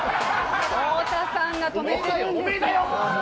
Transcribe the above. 太田さんが止めているんですよ。